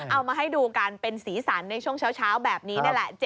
เอามาให้ดูการเป็นศีรษรรณในช่วงเช้าแบบนี้นั่นแหละ